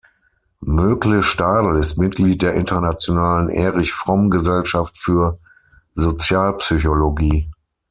Mögle-Stadel ist Mitglied der Internationalen Erich-Fromm-Gesellschaft für Sozialpsychologie.